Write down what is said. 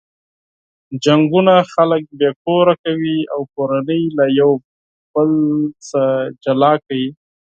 جنګونه خلک بې کوره کوي او کورنۍ له یو بل څخه جلا کوي.